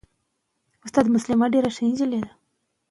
تل خپل سر ووینځئ وروسته له تېلو.